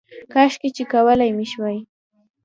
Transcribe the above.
کاشکې چې کولی مې شوای